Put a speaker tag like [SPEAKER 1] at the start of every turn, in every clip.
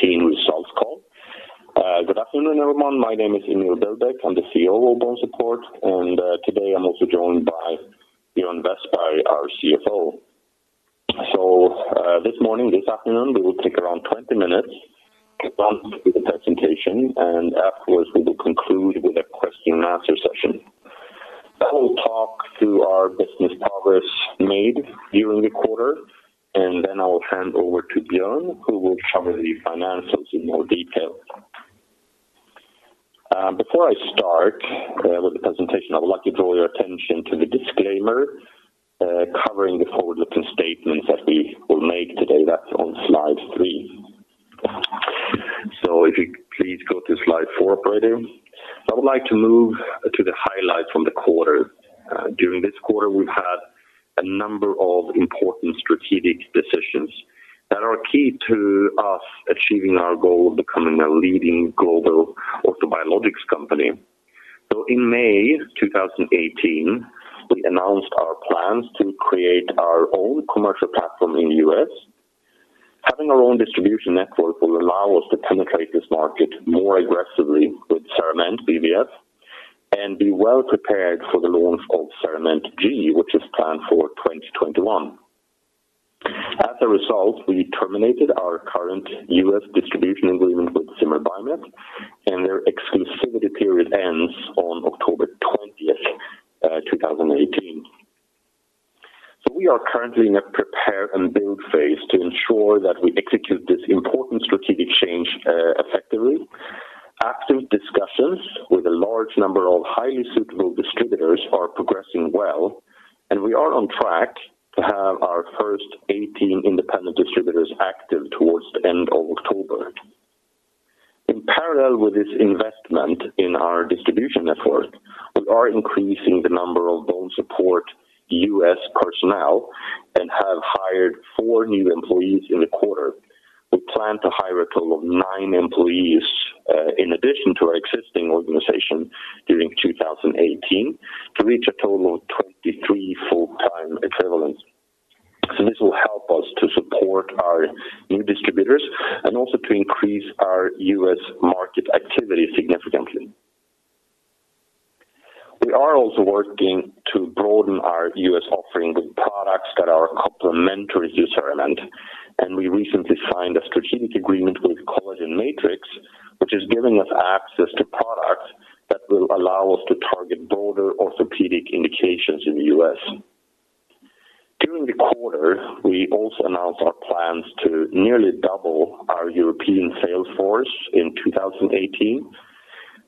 [SPEAKER 1] 2018 results call. Good afternoon, everyone. My name is Emil Billbäck, I'm the CEO of BONESUPPORT, and today I'm also joined by Björn Westberg, our CFO. This morning, this afternoon, we will take around 20 minutes to run through the presentation, and afterwards we will conclude with a question and answer session. I will talk through our business progress made during the quarter, and then I will hand over to Björn, who will cover the financials in more detail. Before I start with the presentation, I would like to draw your attention to the disclaimer covering the forward-looking statements that we will make today. That's on slide three. If you please go to slide four, operator. I would like to move to the highlights from the quarter. During this quarter, we've had a number of important strategic decisions that are key to us achieving our goal of becoming a leading global orthobiologics company. In May 2018, we announced our plans to create our own commercial platform in the US. Having our own distribution network will allow us to penetrate this market more aggressively with CERAMENT BVF, and be well-prepared for the launch of CERAMENT G, which is planned for 2021. As a result, we terminated our current U.S. distribution agreement with Zimmer Biomet, and their exclusivity period ends on October 20th, 2018. We are currently in a prepare-and-build phase to ensure that we execute this important strategic change effectively. Active discussions with a large number of highly suitable distributors are progressing well. We are on track to have our first 18 independent distributors active towards the end of October. In parallel with this investment in our distribution network, we are increasing the number of BONESUPPORT US personnel and have hired four new employees in the quarter. We plan to hire a total of nine employees in addition to our existing organization during 2018, to reach a total of 23 full-time equivalents. This will help us to support our new distributors and also to increase our U.S. market activity significantly. We are also working to broaden our U.S. offering with products that are complementary to CERAMENT, and we recently signed a strategic agreement with Collagen Matrix, which is giving us access to products that will allow us to target broader orthopedic indications in the U.S. During the quarter, we also announced our plans to nearly double our European sales force in 2018.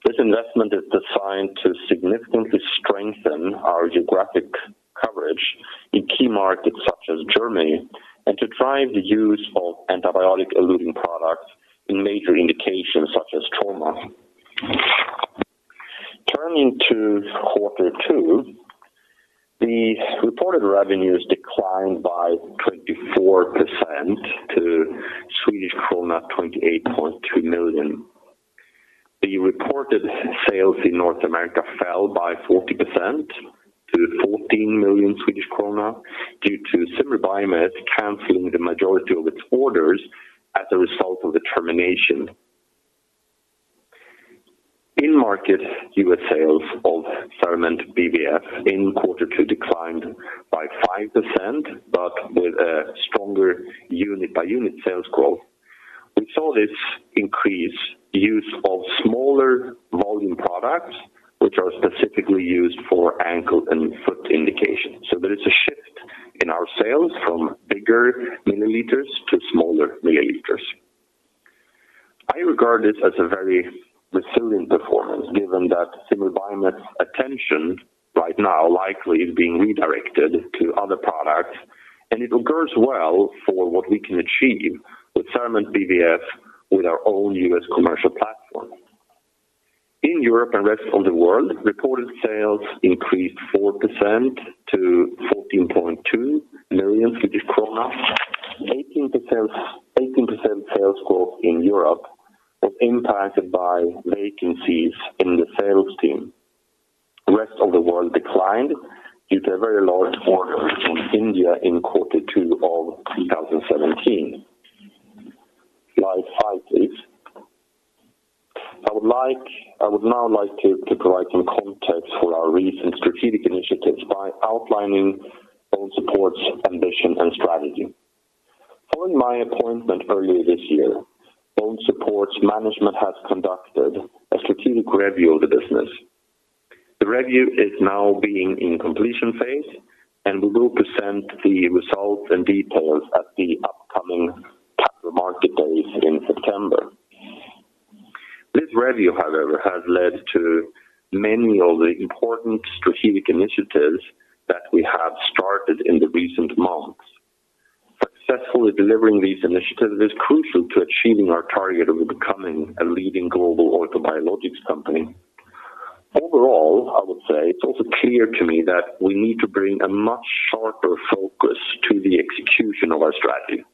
[SPEAKER 1] This investment is designed to significantly strengthen our geographic coverage in key markets such as Germany, and to drive the use of antibiotic-eluting products in major indications such as trauma. Turning to quarter two, the reported revenues declined by 24% to Swedish krona 28.2 million. The reported sales in North America fell by 40% to 14 million Swedish krona, due to Zimmer Biomet canceling the majority of its orders as a result of the termination. In-market U.S. sales of CERAMENT BVF in Q2 declined by 5%, but with a stronger unit-by-unit sales growth. We saw this increase use of smaller volume products, which are specifically used for ankle and foot indications. There is a shift in our sales from bigger milliliters to smaller milliliters. I regard this as a very resilient performance, given that Zimmer Biomet's attention right now likely is being redirected to other products. It augurs well for what we can achieve with CERAMENT BVF with our own US commercial platform. In Europe and rest of the world, reported sales increased 4% to SEK 14.2 million. 18% sales growth in Europe was impacted by vacancies in the sales team. Rest of the world declined due to a very large order from India in Q2 of 2017. Slide five, please. I would now like to provide some context for our recent strategic initiatives by outlining BONESUPPORT's ambition and strategy. Following my appointment earlier this year, BONESUPPORT's management has conducted a strategic review of the business. The review is now being in completion phase, and we will present the results and details at the upcoming Capital Markets Day in September. This review, however, has led to many of the important strategic initiatives that we have started in the recent months. Successfully delivering these initiatives is crucial to achieving our target of becoming a leading global orthobiologics company. Overall, I would say it's also clear to me that we need to bring a much sharper focus to the execution of our strategy.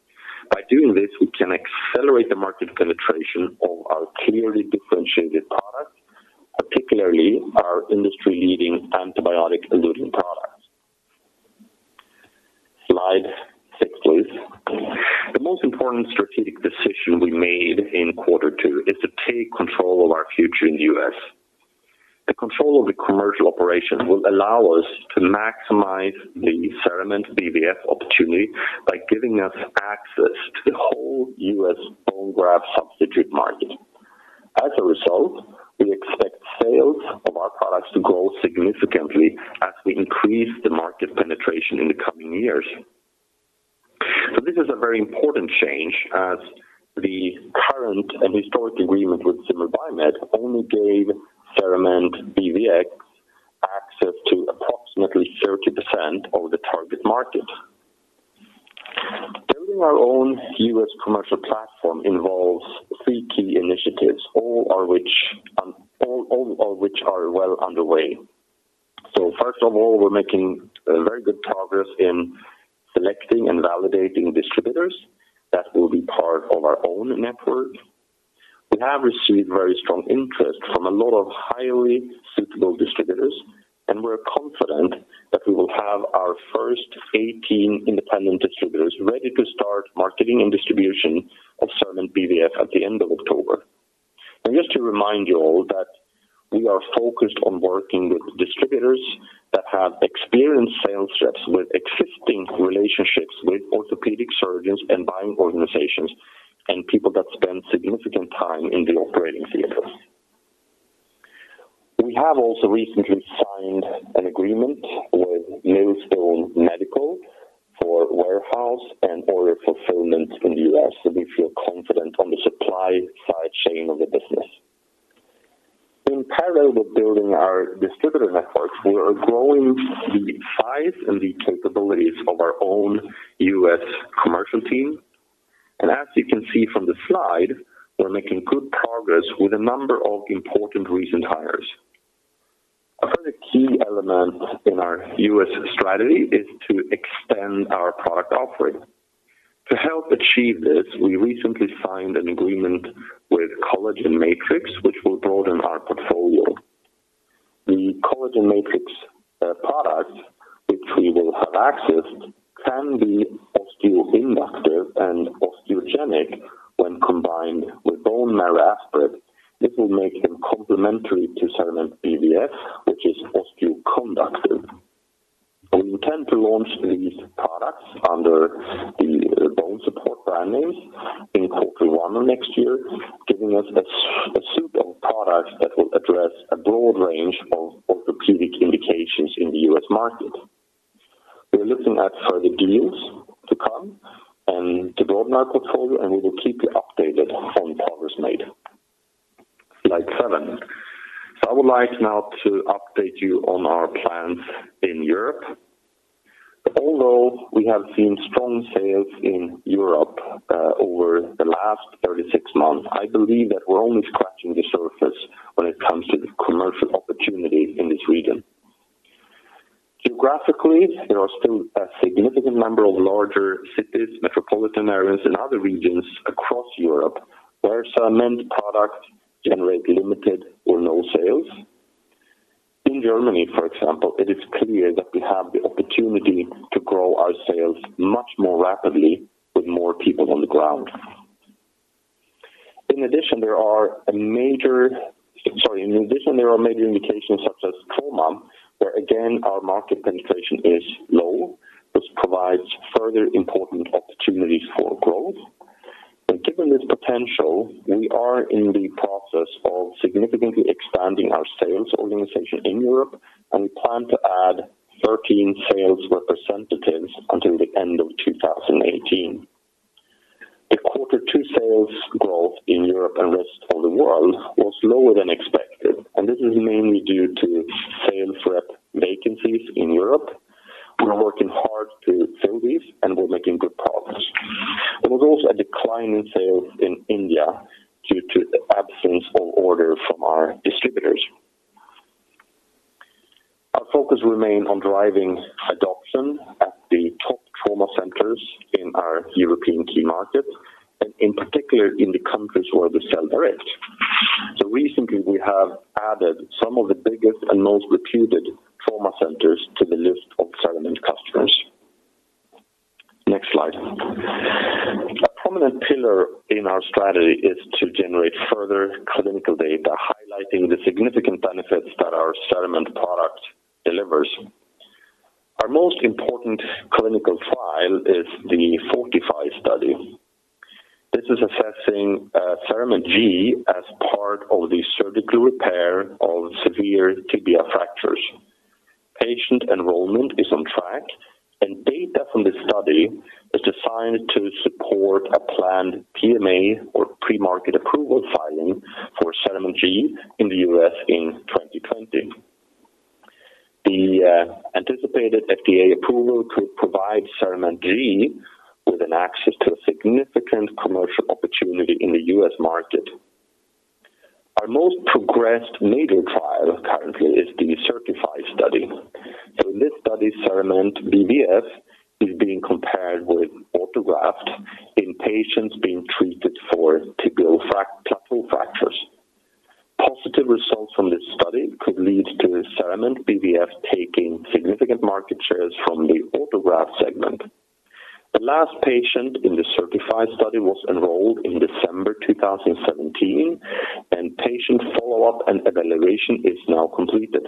[SPEAKER 1] By doing this, we can accelerate the market penetration of our clearly differentiated products, particularly our industry-leading antibiotic-eluting products.... Slide 6, please. The most important strategic decision we made in quarter two is to take control of our future in the U.S. The control of the commercial operation will allow us to maximize the CERAMENT BVF opportunity by giving us access to the whole U.S. bone graft substitute market. As a result, we expect sales of our products to grow significantly as we increase the market penetration in the coming years. This is a very important change as the current and historic agreement with Zimmer Biomet only gave CERAMENT BVF access to approximately 30% of the target market. Building our own U.S. commercial platform involves three key initiatives, all of which are well underway. First of all, we're making very good progress in selecting and validating distributors that will be part of our own network. We have received very strong interest from a lot of highly suitable distributors, and we're confident that we will have our first 18 independent distributors ready to start marketing and distribution of CERAMENT BVF at the end of October. Just to remind you all, that we are focused on working with distributors that have experienced sales reps with existing relationships with orthopedic surgeons and buying organizations, and people that spend significant time in the operating theaters. We have also recently signed an agreement with Milestone Medical for warehouse and order fulfillment in the U.S., so we feel confident on the supply side chain of the business. In parallel with building our distributor networks, we are growing the size and the capabilities of our own U.S. commercial team, and as you can see from the slide, we're making good progress with a number of important recent hires. A further key element in our U.S. strategy is to extend our product offering. To help achieve this, we recently signed an agreement with Collagen Matrix, which will broaden our portfolio. The Collagen Matrix products, which we will have access, can be osteoinductive and osteogenic when combined with bone marrow aspirate. This will make them complementary to CERAMENT BVF, which is osteoconductive. We intend to launch these products under the BONESUPPORT brand name in quarter one of next year, giving us a suit of products that will address a broad range of orthopedic indications in the U.S. market. We are looking at further deals to come and to broaden our portfolio, and we will keep you updated on progress made. Slide seven. I would like now to update you on our plans in Europe. Although we have seen strong sales in Europe, over the last 36 months, I believe that we're only scratching the surface when it comes to the commercial opportunity in this region. Geographically, there are still a significant number of larger cities, metropolitan areas, and other regions across Europe, where CERAMENT products generate limited or no sales. In Germany, for example, it is clear that we have the opportunity to grow our sales much more rapidly with more people on the ground. In addition, there are major indications, such as trauma, where again, our market penetration is low, which provides further important opportunities for growth. Given this potential, we are in the process of significantly expanding our sales organization in Europe, and we plan to add 13 sales representatives until the end of 2018. The quarter two sales growth in Europe and rest of the world was lower than expected. This is mainly due to sales rep vacancies in Europe. anticipated FDA approval could provide Cerament G with an access to a significant commercial opportunity in the US market. Our most progressed major trial currently is the CERTIFY study. In this study, CERAMENT BVF is being compared with autograft in patients being treated for tibial plateau fractures. Positive results lead to CERAMENT BVF taking significant market shares from the autograft segment. The last patient in the CERTIFY study was enrolled in December 2017, and patient follow-up and evaluation is now completed.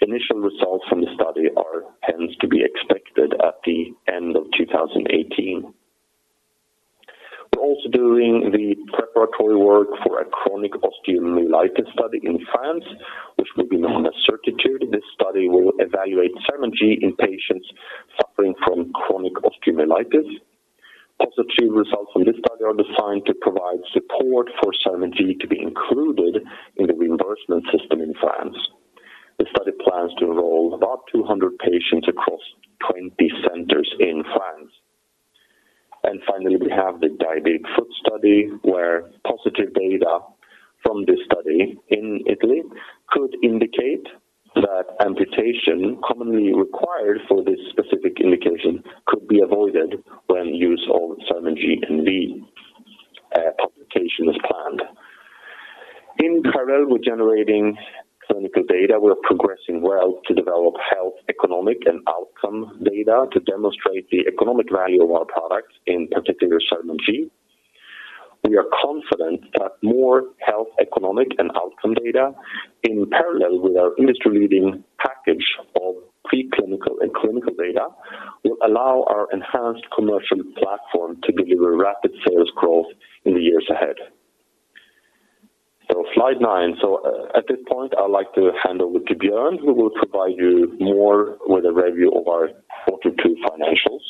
[SPEAKER 1] Initial results from the study are tends to be expected at the end of 2018. We're also doing the preparatory work for a chronic osteomyelitis study in France, which will be known as Certitude. This study will evaluate CERAMENT G in patients suffering from chronic osteomyelitis. Positive results from this study are designed to provide support for CERAMENT G to be included in the reimbursement system in France. The study plans to enroll about 200 patients across 20 centers in France. Finally, we have the diabetic foot study, where positive data from this study in Italy could indicate that amputation commonly required for this specific indication could be avoided when use of CERAMENT G and B, publication is planned. In parallel with generating clinical data, we are progressing well to develop health, economic, and outcome data to demonstrate the economic value of our products, in particular, CERAMENT G. We are confident that more health, economic, and outcome data, in parallel with our industry-leading package of preclinical and clinical data, will allow our enhanced commercial platform to deliver rapid sales growth in the years ahead. Slide nine. At this point, I'd like to hand over to Björn, who will provide you more with a review of our quarter 2 financials.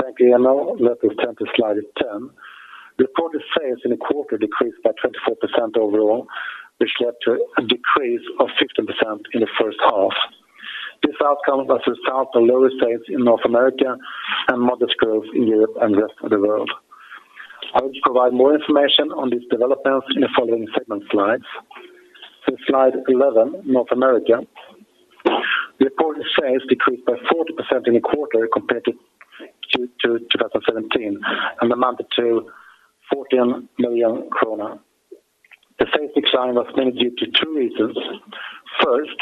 [SPEAKER 2] Thank you, Emil. Let us turn to slide 10. Reported sales in the quarter decreased by 24% overall, which led to a decrease of 16% in the first half. This outcome was a result of lower sales in North America and modest growth in Europe and the rest of the world. I will provide more information on these developments in the following segment slides. Slide 11, North America. Reported sales decreased by 40% in the quarter compared to 2017 and amounted to 14 million kronor. The sales design was mainly due to two reasons. First,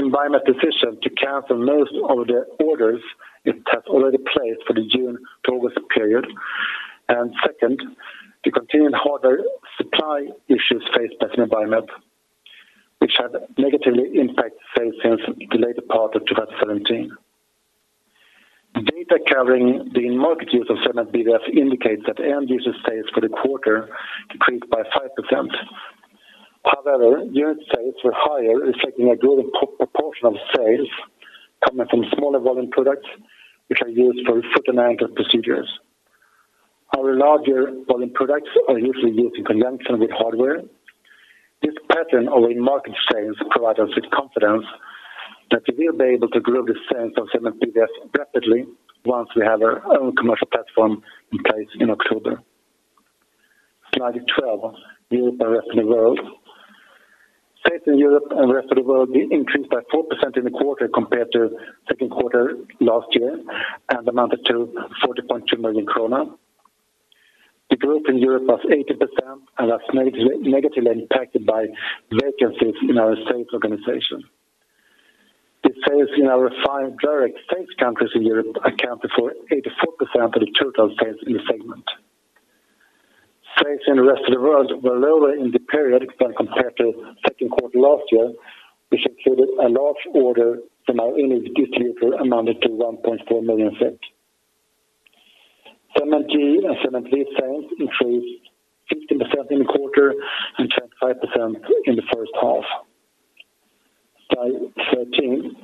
[SPEAKER 2] Zimmer Biomet's decision to cancel most of the orders it has already placed for the June, August period, and second, the continuing hardware supply issues faced by Zimmer Biomet, which had negatively impacted sales since the later part of 2017. Data covering the market use of CERAMENT BVF indicates that end user sales for the quarter decreased by 5%. However, unit sales were higher, reflecting a growing proportion of sales coming from smaller volume products, which are used for foot and ankle procedures. Our larger volume products are usually used in conjunction with hardware. This pattern of market sales provide us with confidence that we will be able to grow the sales of CERAMENT BVF rapidly once we have our own commercial platform in place in October. Slide 12, Europe and rest of the world. Sales in Europe and rest of the world increased by 4% in the quarter compared to second quarter last year and amounted to 40.2 million krona. The growth in Europe was 80% and was negatively impacted by vacancies in our sales organization. The sales in our five direct sales countries in Europe accounted for 84% of the total sales in the segment. Sales in the rest of the world were lower in the period when compared to second quarter last year, which included a large order from our unique distributor amounting to SEK 1.4 million. CERAMENT G and Cerament B sales increased 15% in the quarter and 25% in the first half. Slide 13.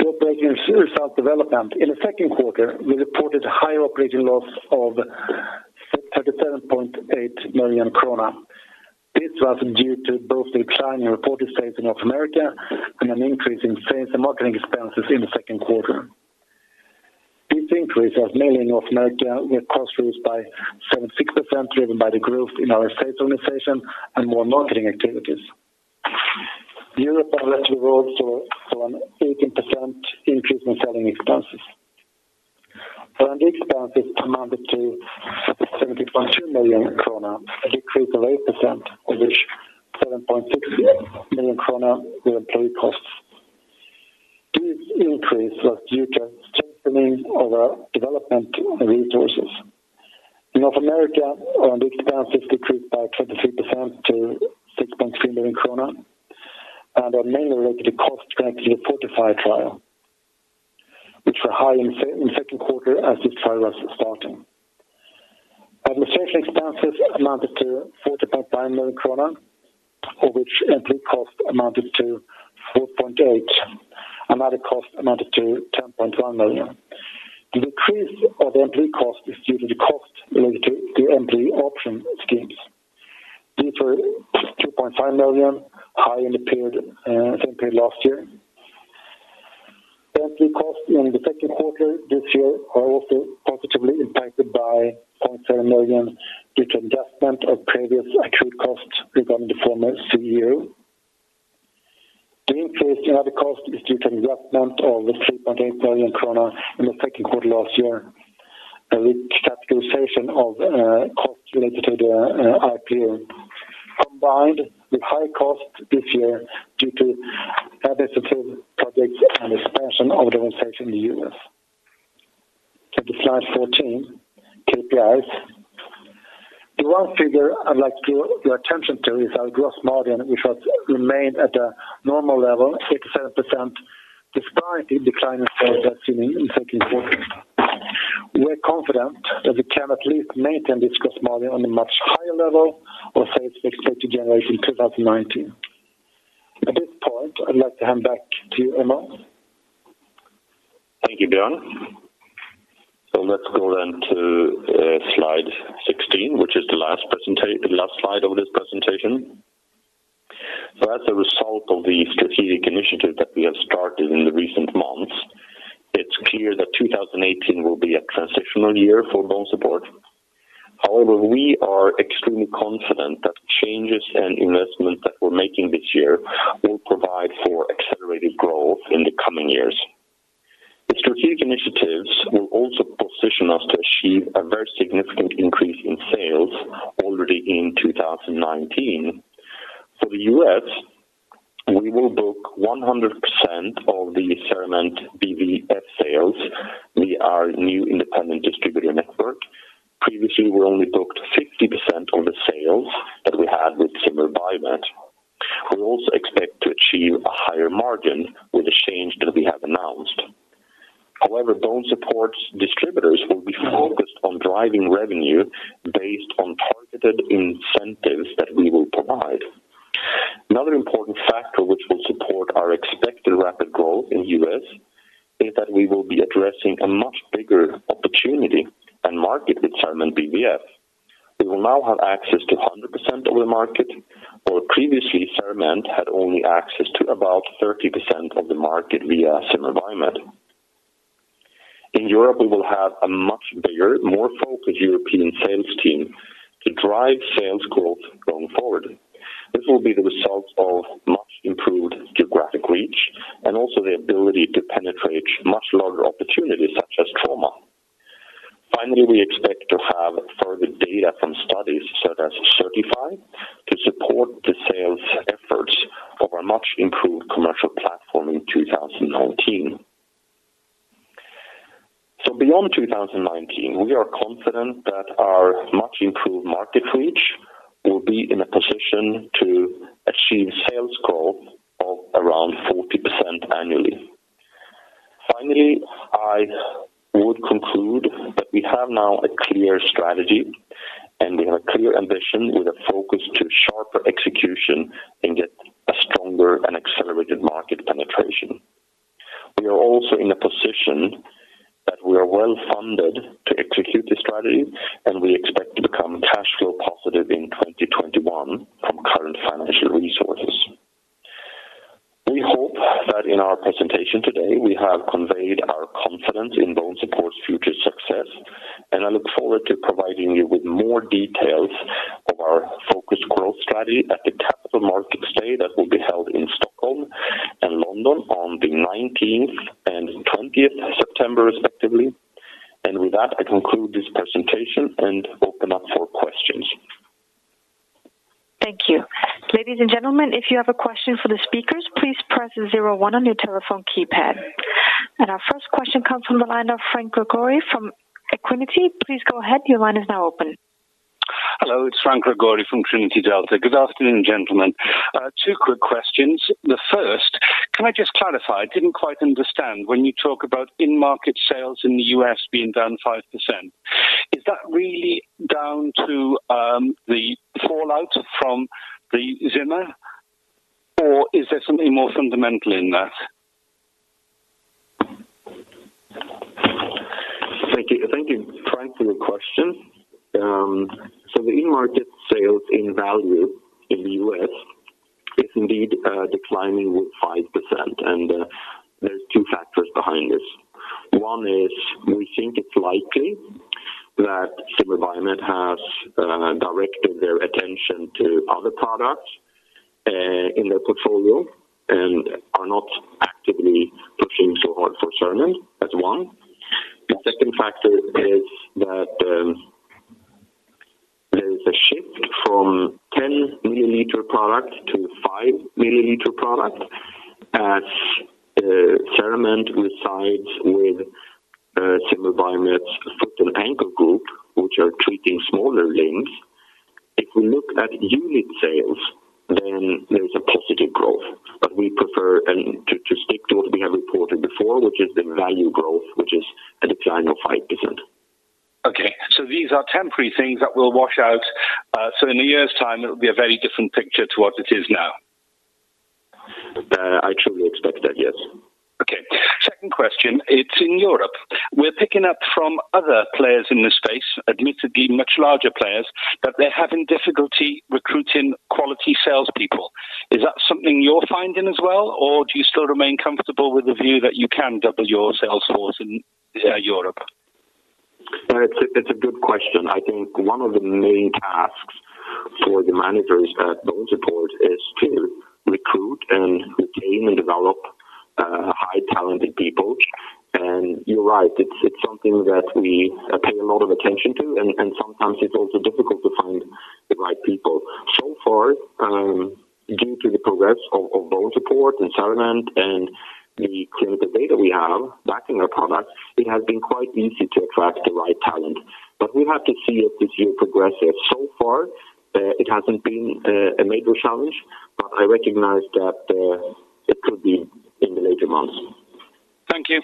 [SPEAKER 2] Operating results development. In the second quarter, we reported higher operating loss of 37.8 million kronor. This was due to both the decline in reported sales in North America and an increase in sales and marketing expenses in the second quarter. This increase was mainly in North America, where costs rose by 76%, driven by the growth in our sales organization and more marketing activities. Europe and rest of the world saw an 18% increase in selling expenses, and the expenses amounted to 70.2 million krona, a decrease of 8%, of which 7.6 million krona were employee costs. This increase was due to strengthening of our development resources. In North America, our expenses decreased by 23% to 6.3 million krona and are mainly related to costs connected to the FORTIFY trial, which were high in second quarter as the trial was starting. Administrative expenses amounted to 40.9 million kronor, of which employee costs amounted to 4.8 million, and other costs amounted to 10.1 million. The decrease of the employee cost is due to the cost related to the employee option schemes. These were 2.5 million, high in the period, same period last year. Employee costs in the second quarter this year are also positively impacted by 0.7 million due to adjustment of previous accrued costs regarding the former CEO. The increase in other cost is due to investment of 3.8 million kronor in the second quarter last year, with capitalization of costs related to the IPO, combined with high cost this year due to additional projects and expansion of the organization in the U.S. Go to slide 14, KPIs. The one figure I'd like to give your attention to is our gross margin, which has remained at a normal level, 87%, despite the decline in sales that's seen in second quarter. We're confident that we can at least maintain this gross margin on a much higher level of sales expected to generate in 2019. At this point, I'd like to hand back to you, Emil.
[SPEAKER 1] Thank you, Björn. Let's go to slide 16, which is the last slide of this presentation. As a result of the strategic initiative that we have started in the recent months, it's clear that 2018 will be a transitional year for BONESUPPORT. However, we are extremely confident that changes and investments that we're making this year will provide for accelerated growth in the coming years. The strategic initiatives will also position us to achieve a very significant increase in sales already in 2019. For the U.S., we will book 100% of the CERAMENT BVF sales via our new independent distributor network. Previously, we only booked 50% of the sales that we had with Zimmer Biomet. We also expect to achieve a higher margin with the change that we have announced. BONESUPPORT's distributors will be focused on driving revenue based on targeted incentives that we will provide. Another important factor which will support our expected rapid growth in the U.S., is that we will be addressing a much bigger opportunity and market with CERAMENT BVF. We will now have access to 100% of the market, where previously CERAMENT had only access to about 30% of the market via Zimmer Biomet. In Europe, we will have a much bigger, more focused European sales team to drive sales growth going forward. This will be the result of much improved geographic reach and also the ability to penetrate much larger opportunities such as trauma. We expect to have further data from studies such as CERTiFy to support the sales efforts of our much improved commercial platform in 2019. Beyond 2019, we are confident that our much improved market reach will be in a position to achieve sales growth of around 40% annually. Finally, I would conclude that we have now a clear strategy, and we have a clear ambition with a focus to sharper execution and get a stronger and accelerated market penetration. We are also in a position that we are well funded to execute this strategy, and we expect to become cash flow positive in 2021 from current financial resources. We hope that in our presentation today, we have conveyed our confidence in BONESUPPORT's future success, and I look forward to providing you with more details of our focused growth strategy at the Capital Markets Day that will be held in Stockholm and London on the 19th and 20th September, respectively. With that, I conclude this presentation and open up for questions.
[SPEAKER 3] Thank you. Ladies and gentlemen, if you have a question for the speakers, please press star zero one on your telephone keypad. Our first question comes from the line of Franc Gregory from Equinity. Please go ahead. Your line is now open.
[SPEAKER 4] Hello, it's Frank Gregory from Trinity Delta. Good afternoon, gentlemen. Two quick questions. The first, can I just clarify? I didn't quite understand when you talk about in-market sales in the U.S. being down 5%, is that really down to the fallout from the Zimmer, or is there something more fundamental in that?
[SPEAKER 1] Thank you. Thank you, Frank, for your question. The in-market sales in value in the US is indeed declining with 5%, and there's 2 factors behind this. One is we think it's likely that Zimmer Biomet has directed their attention to other products in their portfolio and are not actively pushing so hard for CERAMENT, that's one. The second factor is that there is a shift from 10 mL product to 5 mL product as CERAMENT resides with Zimmer Biomet's foot and ankle group, which are treating smaller limbs. If we look at unit sales, there's a positive growth, but we prefer to stick to what we have reported before, which is the value growth, which is a decline of 5%.
[SPEAKER 4] Okay, so these are temporary things that will wash out. In one year's time, it'll be a very different picture to what it is now?
[SPEAKER 1] I truly expect that, yes.
[SPEAKER 4] Second question, it's in Europe. We're picking up from other players in this space, admittedly much larger players, that they're having difficulty recruiting quality salespeople. Is that something you're finding as well, or do you still remain comfortable with the view that you can double your sales force in Europe?
[SPEAKER 1] It's a good question. I think one of the main tasks for the managers at BONESUPPORT is to recruit and retain and develop high talented people. You're right, it's something that we pay a lot of attention to, and sometimes it's also difficult to find the right people. So far, due to the progress of BONESUPPORT and CERAMENT, and the clinical data we have backing our products, it has been quite easy to attract the right talent. We have to see as this year progresses. So far, it hasn't been a major challenge, but I recognize that it could be in the later months.
[SPEAKER 4] Thank you.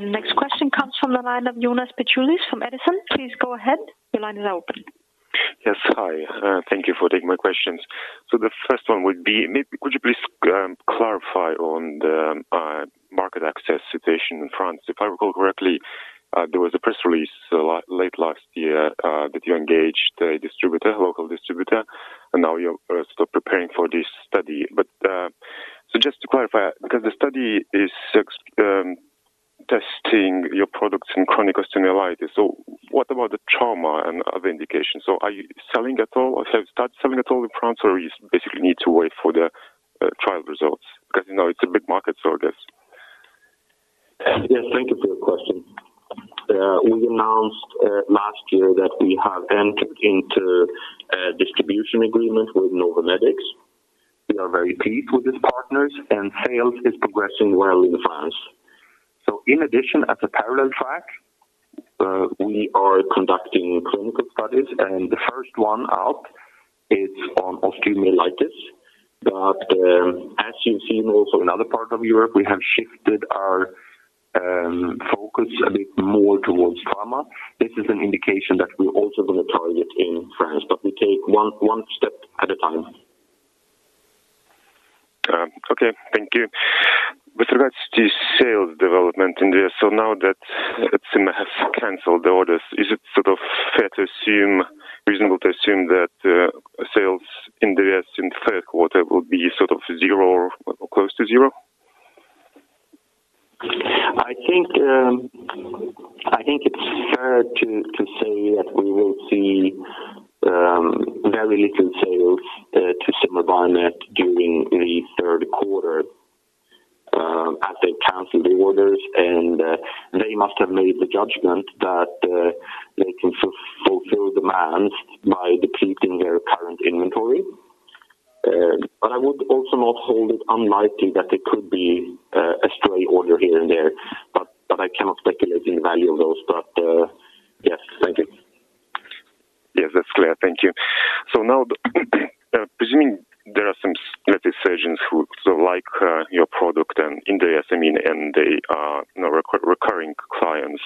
[SPEAKER 3] Next question comes from the line of Jonas Peciulis from Edison. Please go ahead. Your line is open.
[SPEAKER 5] Yes. Hi. Thank you for taking my questions. The first one would be, could you please clarify on the market access situation in France? If I recall correctly, there was a press release late last year that you engaged a distributor, local distributor, and now you're still preparing for this study. Just to clarify, because the study is testing your products in chronic osteomyelitis. What about the trauma and other indications? Are you selling at all, or have started selling at all in France, or you basically need to wait for the trial results? Because, you know, it's a big market, so I guess.
[SPEAKER 1] Yes, thank you for your question. We announced last year that we have entered into a distribution agreement with OrthoMedix. We are very pleased with these partners, and sales is progressing well in France. In addition, as a parallel track, we are conducting clinical studies, and the first one out is on osteomyelitis. As you've seen also in other parts of Europe, we have shifted our focus a bit more towards trauma. This is an indication that we're also going to target in France, but we take one step at a time.
[SPEAKER 5] Okay, thank you. With regards to sales development in there, now that, Zimmer has canceled the orders, is it sort of fair to assume, reasonable to assume that, sales in the rest in the third quarter will be sort of zero or close to zero?
[SPEAKER 1] I think, I think it's fair to say that we will see very little sales to Zimmer Biomet during the third quarter, as they canceled the orders. They must have made the judgment that they can fulfill demands by depleting their current inventory. I would also not hold it unlikely that there could be a stray order here and there, but I cannot speculate the value of those. Yes, thank you.
[SPEAKER 5] Yes, that's clear. Thank you. Now, presuming there are some surgeons who so like your product and in the SME, and they are, you know, recurring clients,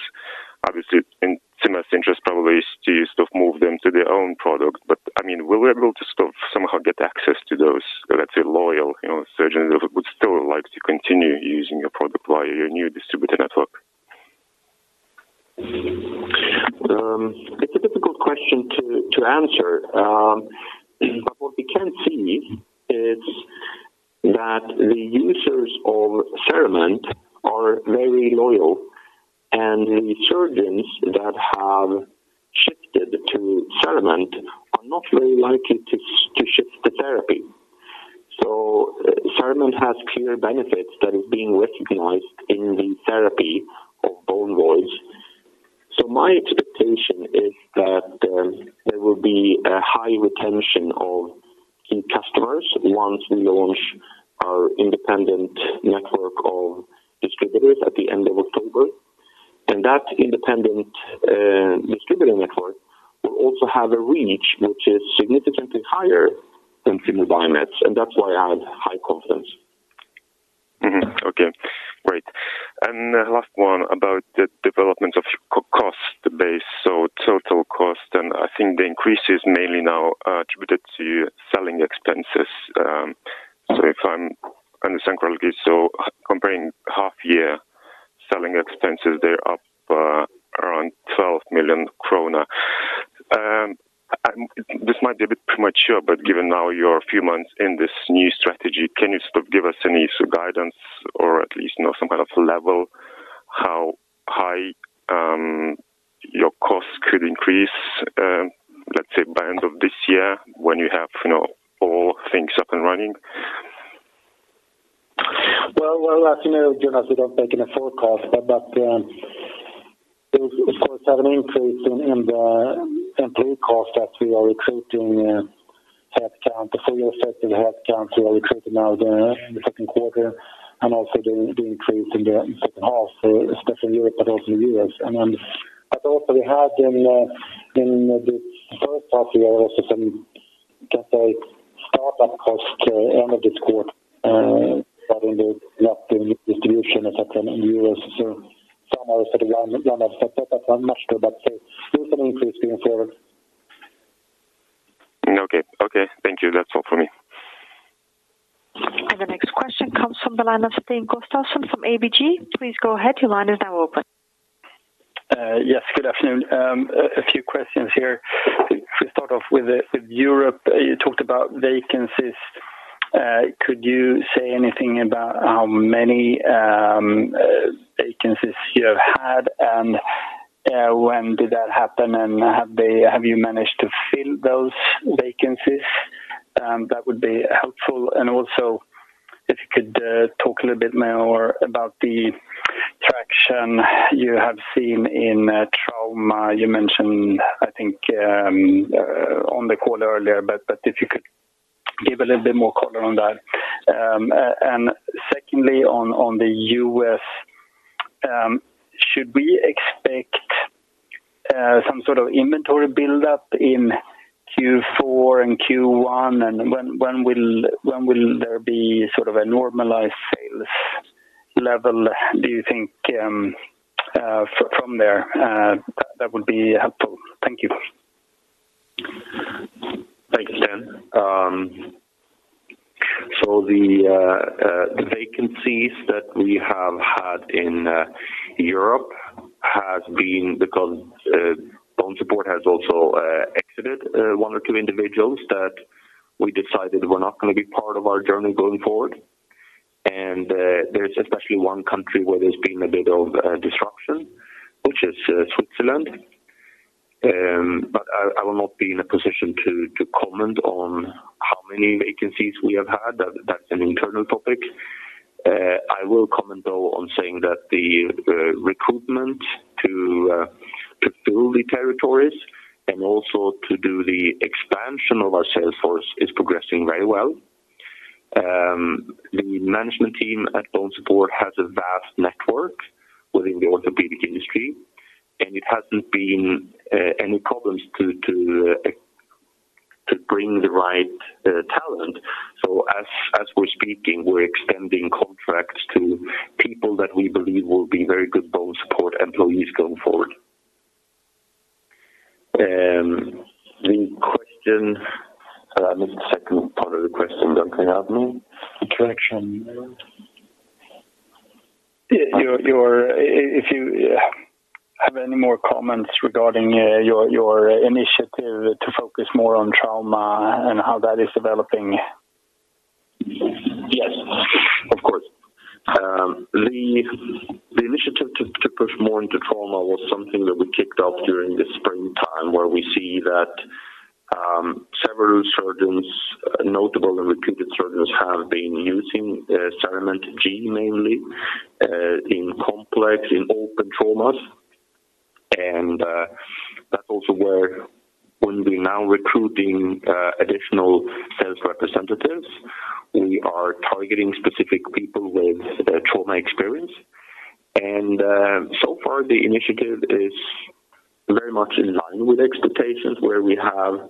[SPEAKER 5] obviously, in Zimmer's interest probably is to sort of move them to their own product. I mean, will we be able to sort of somehow get access to those, let's say, loyal, you know, surgeons who would still like to continue using your product via your new distributor network?
[SPEAKER 1] It's a difficult question to answer. What we can see is that the users of CERAMENT are very loyal, and the surgeons that have shifted to CERAMENT are not very likely to shift the therapy. CERAMENT has clear benefits that is being recognized in the therapy of bone voids. My expectation is that, there will be a high retention of key customers once we launch our independent network of distributors at the end of October. That independent distributor network will also have a reach which is significantly higher than Zimmer Biomet, and that's why I have high confidence.
[SPEAKER 5] Okay, great. Last one about the development of cost base, total cost, I think the increase is mainly now attributed to selling expenses. If I'm understanding correctly, comparing half-year selling expenses, they're up around 12 million krona. This might be a bit premature, but given now you're a few months in this new strategy, can you sort of give us any sort of guidance or at least, you know, some kind of level, how high your costs could increase, let's say, by end of this year, when you have, you know, all things up and running?
[SPEAKER 2] Well, as you know, Jonas, we don't make any forecast, but those of course, have an increase in the employee costs as we are recruiting headcount, the full year effect of headcount. We are recruiting now in the second quarter and also the increase in the staff, especially Europe, but also in U.S. We had in the first half of the year, also some, let's say, startup cost end of this quarter, that in the distribution et cetera, in U.S. Some are sort of one of the top up much, but there's an increase going forward.
[SPEAKER 5] Okay. Okay, thank you. That's all for me.
[SPEAKER 3] The next question comes from the line of Sten Gustafsson from ABG. Please go ahead. Your line is now open.
[SPEAKER 6] Yes, good afternoon. A few questions here. To start off with Europe, you talked about vacancies. Could you say anything about how many vacancies you have had, and when did that happen, and have they, have you managed to fill those vacancies? That would be helpful, and also if you could talk a little bit more about the traction you have seen in trauma. You mentioned, I think, on the call earlier, but if you could give a little bit more color on that. Secondly, on the U.S., should we expect some sort of inventory buildup in Q4 and Q1? When will there be sort of a normalized sales level, do you think, from there? That would be helpful. Thank you.
[SPEAKER 1] Thank you, Stan. The vacancies that we have had in Europe has been because BONESUPPORT has also exited one or two individuals that we decided were not gonna be part of our journey going forward. There's especially one country where there's been a bit of disruption, which is Switzerland. I will not be in a position to comment on how many vacancies we have had. That's an internal topic. I will comment, though, on saying that the recruitment to fill the territories and also to do the expansion of our sales force is progressing very well. The management team at BONESUPPORT has a vast network within the orthopedic industry. It hasn't been any problems to bring the right talent. As we're speaking, we're extending contracts to people that we believe will be very good BONESUPPORT employees going forward. The question, I missed the second part of the question. Can you help me?
[SPEAKER 2] Attraction.
[SPEAKER 6] Yeah, your if you have any more comments regarding, your initiative to focus more on trauma and how that is developing.
[SPEAKER 1] Yes, of course. The initiative to push more into trauma was something that we kicked off during the springtime, where we see that several surgeons, notable and reputed surgeons, have been using CERAMENT G mainly, in complex, in open traumas. That's also where when we're now recruiting additional sales representatives, we are targeting specific people with trauma experience. So far, the initiative is very much in line with expectations, where we have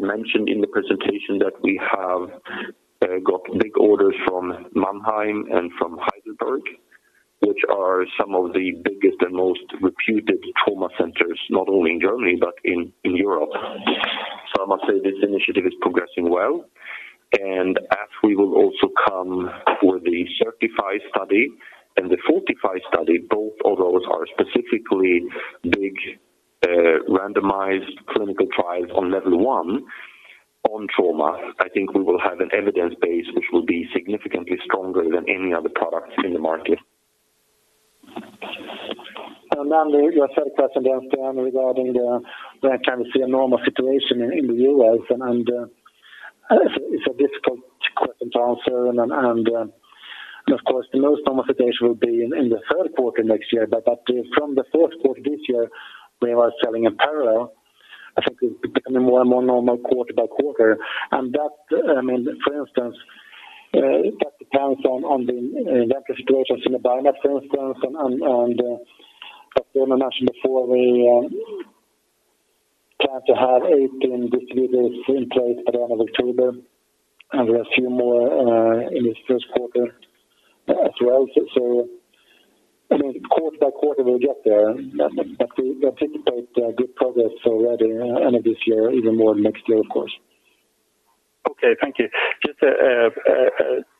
[SPEAKER 1] mentioned in the presentation that we have got big orders from Mannheim and from Heidelberg, which are some of the biggest and most reputed trauma centers, not only in Germany but in Europe. I must say this initiative is progressing well, as we will also come for the CERTiFy study and the FORTIFY study, both of those are specifically big, randomized clinical trials on level one on trauma. I think we will have an evidence base which will be significantly stronger than any other products in the market.
[SPEAKER 2] Then your third question, Stan, regarding the, when can we see a normal situation in the U.S., and it's a difficult question to answer. Of course, the most normalization will be in the third quarter next year, but from the fourth quarter this year, we are selling in parallel. I think it's becoming more and more normal quarter by quarter. That, I mean, for instance, that depends on the situations in the buy-back, for instance, and as I mentioned before, we plan to have 18 distributors in place by the end of October, and a few more in this first quarter as well. I mean, quarter by quarter, we'll get there, but we anticipate good progress already end of this year, even more next year, of course.
[SPEAKER 6] Okay, thank you. Just a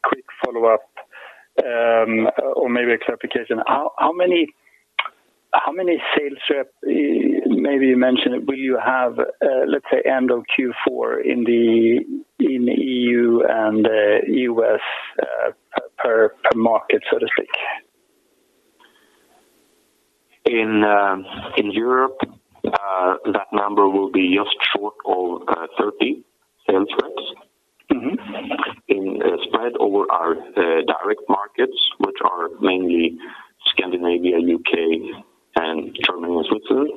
[SPEAKER 6] quick follow-up or maybe a clarification. How many sales rep, maybe you mentioned, will you have, let's say, end of Q4 in the EU and US per market, so to speak?
[SPEAKER 1] In Europe, that number will be just short of 30 sales reps.
[SPEAKER 6] Mm-hmm.
[SPEAKER 1] In spread over our direct markets, which are mainly Scandinavia, U.K., and Germany, and Switzerland.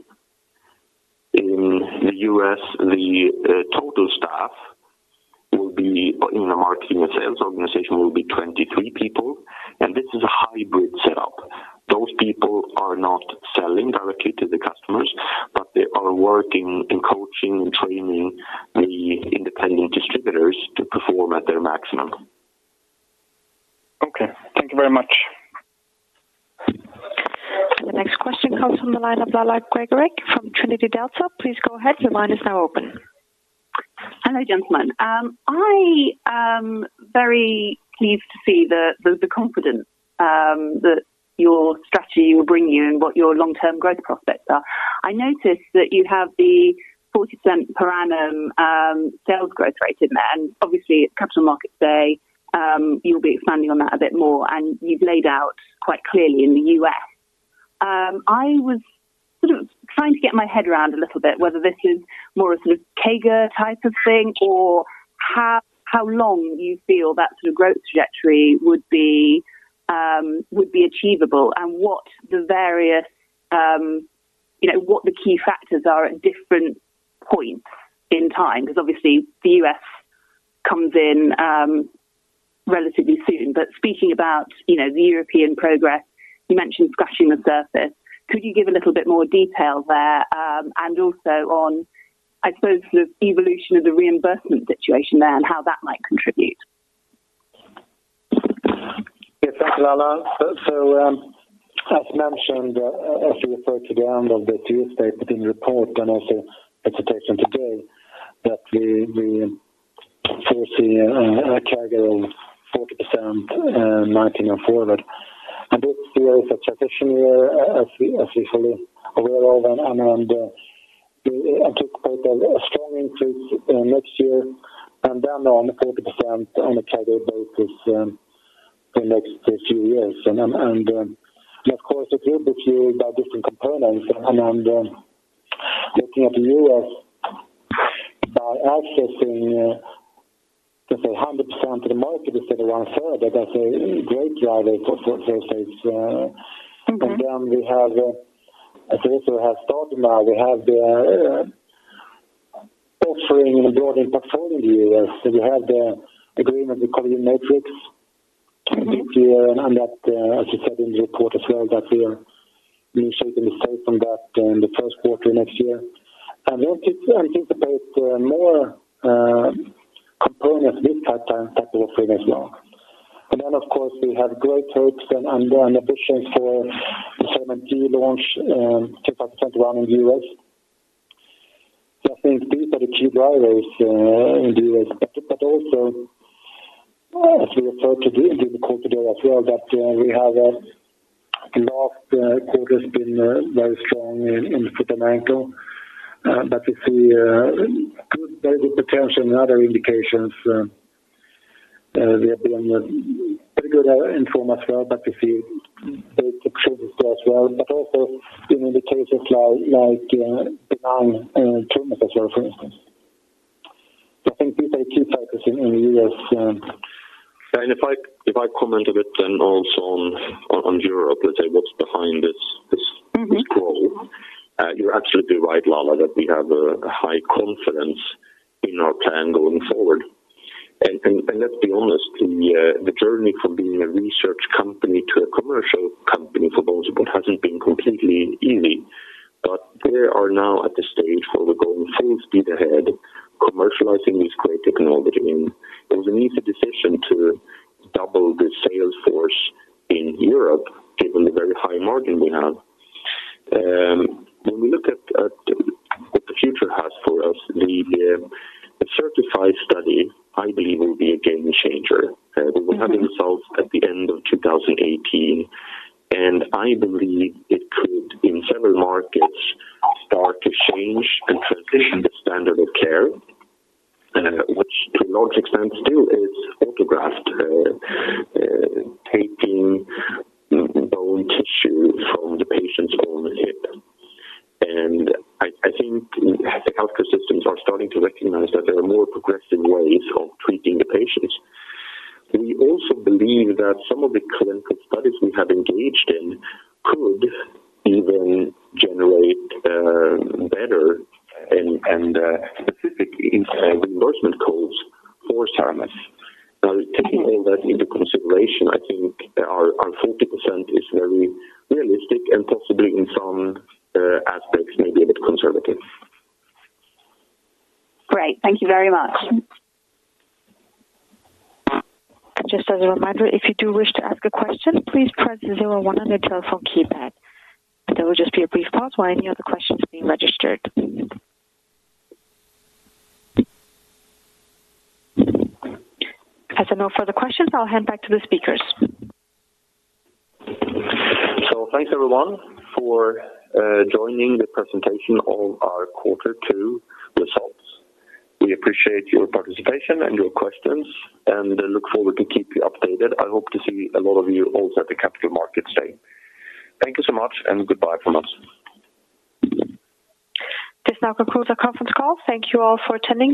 [SPEAKER 1] In the U.S., the total staff will be in a marketing and sales organization, will be 23 people. This is a hybrid setup. Those people are not selling directly to the customers, but they are working and coaching and training the independent distributors to perform at their maximum.
[SPEAKER 6] Okay, thank you very much.
[SPEAKER 3] The next question comes from the line of Lala Gregorek from Trinity Delta. Please go ahead. Your line is now open.
[SPEAKER 7] Hello, gentlemen. I am very pleased to see that your strategy will bring you and what your long-term growth prospects are. I noticed that you have the 40% per annum sales growth rate in there, and obviously, at Capital Markets Day, you'll be expanding on that a bit more, and you've laid out quite clearly in the U.S. I was sort of trying to get my head around a little bit whether this is more a sort of CAGR type of thing, or how long you feel that sort of growth trajectory would be achievable? What the various, you know, what the key factors are at different points in time, because obviously the U.S. comes in relatively soon. Speaking about, you know, the European progress, you mentioned scratching the surface. Could you give a little bit more detail there, and also on, I suppose, the evolution of the reimbursement situation there and how that might contribute?
[SPEAKER 2] Yes, thank you, Lala. As mentioned, as we referred to the end of the Tuesday within the report and also the presentation today, that we foresee a CAGR of 40%, 2019 and forward. This year is a transition year, as we fully aware of, we anticipate a strong increase next year, and then on 40% on a CAGR basis, the next few years. Of course, it will be fueled by different components. Looking at the U.S. by accessing, let's say, 100% of the market instead of a third, that's a great driver for-
[SPEAKER 7] Mm-hmm.
[SPEAKER 2] Then we have, as we also have started now, we have the offering and broadening portfolio in the U.S. We have the agreement with Collagen Matrix this year, and that, as you said in the report as well, that we are initiating the sale from that in the first quarter next year. Then it anticipates more components this time, type of offering as well. Then, of course, we have great hopes and ambitions for the seven key launch, 2021 in U.S. I think these are the key drivers in the U.S., but also, as we referred to in the call today as well, that we have last quarter's been very strong in foot and ankle. We see good, very good potential in other indications, we have been pretty good in form as well, but we see great potential there as well, but also in indications like beyond treatment as well, for instance.
[SPEAKER 1] I think these are key focus in the U.S. If I, if I comment a bit then also on Europe, let's say what's behind this.
[SPEAKER 7] Mm-hmm.
[SPEAKER 1] This growth. You're absolutely right, Lala, that we have a high confidence in our plan going forward. Let's be honest, the journey from being a research company to a commercial company for both of them hasn't been completely easy. We are now at the stage where we're going full speed ahead, commercializing this great technology, and it was an easy decision to double the sales force in Europe, given the very high margin we have. When we look at what the future has for us, the CERTiFy study, I believe, will be a game changer.
[SPEAKER 7] Mm-hmm.
[SPEAKER 1] We will have the results at the end of 2018, I believe it could, in several markets, start to change and transition the standard of care, which to a large extent still is autograft, taking bone tissue from the patient's own hip. I think as the healthcare systems are starting to recognize that there are more progressive ways of treating the patients, we also believe that some of the clinical studies we have engaged in could even generate better and specific reimbursement codes for CERAMENT.
[SPEAKER 7] Mm-hmm.
[SPEAKER 1] Taking all that into consideration, I think our 40% is very realistic and possibly in some aspects, maybe a bit conservative.
[SPEAKER 7] Great, thank you very much.
[SPEAKER 3] Just as a reminder, if you do wish to ask a question, please press zero one on your telephone keypad. There will just be a brief pause while any other questions are being registered. There are no further questions, I'll hand back to the speakers.
[SPEAKER 2] Thanks, everyone, for joining the presentation of our quarter two results. We appreciate your participation and your questions. I look forward to keep you updated. I hope to see a lot of you also at the Capital Markets Day. Thank you so much. Goodbye from us.
[SPEAKER 3] This now concludes our conference call. Thank you all for attending.